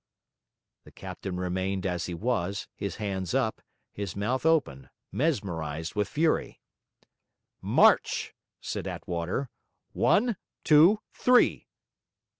The captain remained as he was, his hands up, his mouth open: mesmerised with fury. 'March!' said Attwater. 'One two three!'